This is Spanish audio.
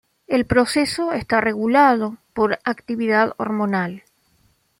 El proceso está regulado por actividad hormonal.